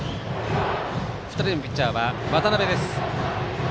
２人目のピッチャーは渡邊です。